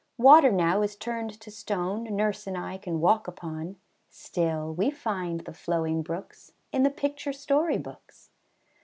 Water now is turned to stone Nurse and I can walk upon; Still we find the flowing brooks In the picture story books.